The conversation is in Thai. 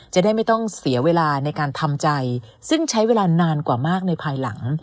จะได้ไม่ต้องเสียเวลาในการทำใจซึ่งใช้เวลานานกว่ามากในภายหลัง